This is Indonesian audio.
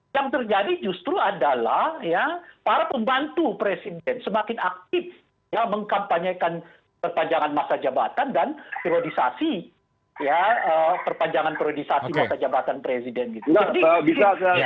yang terjadi justru adalah para pembantu presiden semakin aktif ya mengkampanyekan perpanjangan masa jabatan dan periodisasi ya perpanjangan periodisasi masa jabatan presiden gitu